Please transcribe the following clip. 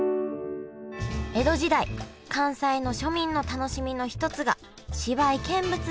江戸時代関西の庶民の楽しみの一つが芝居見物でした。